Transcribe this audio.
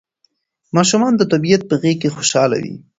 ماشومان د طبیعت په غېږ کې خوشاله وي.